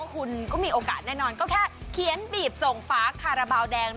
คุณก็มีโอกาสแน่นอน